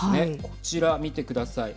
こちら見てください。